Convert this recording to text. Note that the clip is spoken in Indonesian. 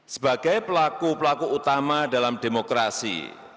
sebagai pelaku pelaku utama dalam demokrasi